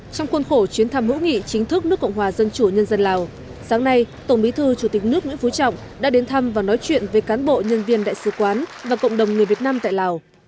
trong khuôn khổ chuyến thăm hữu nghị chính thức nước cộng hòa dân chủ nhân dân lào sáng nay tổng bí thư chủ tịch nước nguyễn phú trọng đã đến thăm và nói chuyện với cán bộ nhân viên đại sứ quán và cộng đồng người việt nam tại lào